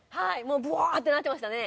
ぶわーってなってましたね。